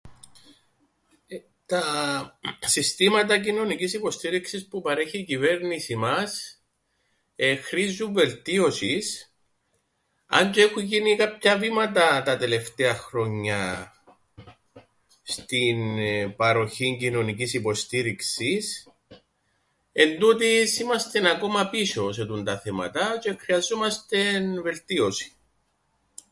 Τα συστήματα κοινωνικής υποστήριξης που παρέχει η κυβέρνηση μας χρήζουν βελτίωσης, αν τζ̆αι έχουν γίνει κάποια βήματα τα τελευταία χρόνια στην παροχήν κοινωνικής υποστήριξης, εντούτοις είμαστεν ακόμα πίσω σε τούντα θέματα τζ̆αι χρειαζούμαστεν βελτίωσην...